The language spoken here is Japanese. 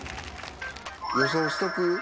予想しとく？